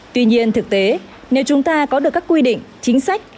tuy nhiên thực tế nếu chúng ta có được các quy định chính sách